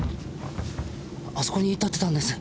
あそこに立ってたんです。